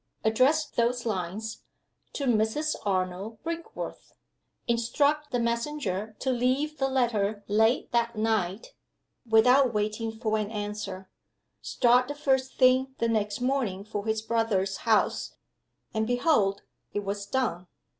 Address those lines: "To Mrs. Arnold Brinkworth;" instruct the messenger to leave the letter late that night, without waiting for an answer; start the first thing the next morning for his brother's house; and behold, it was done!